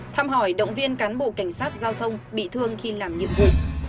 thăm hỏi động viên cán bộ cảnh sát giao thông bị thương khi làm nhiệm vụ